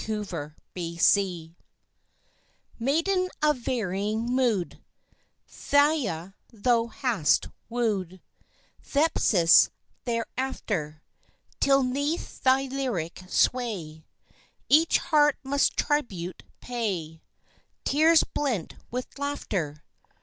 To Margaret Maiden of varying mood, Thalia thou hast wooed, Thespis thereafter, Till 'neath thy lyric sway Each heart must tribute pay Tears blent with laughter.